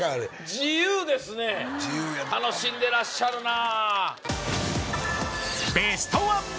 自由や楽しんでらっしゃるなあ